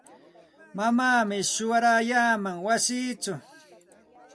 Mamaami shuwaraykaaman wasichaw.